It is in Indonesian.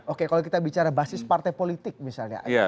oke kalau kita bicara basis partai politik misalnya